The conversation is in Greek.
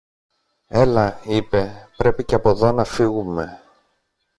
Έλα, είπε, πρέπει και από δω να φύγομε.